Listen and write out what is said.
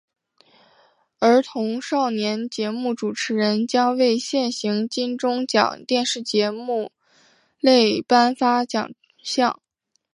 儿童少年节目主持人奖为现行金钟奖电视节目类颁发奖项。